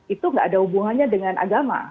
itu nggak ada hubungannya dengan agama